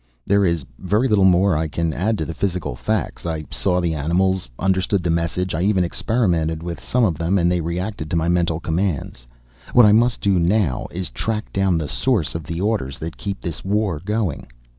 "There is very little more that I can add to the physical facts. I saw the animals, understood the message. I even experimented with some of them and they reacted to my mental commands. What I must do now is track down the source of the orders that keep this war going.